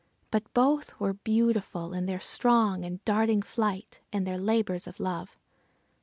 But both were beautiful in their strong and darting flight, and their labors of love.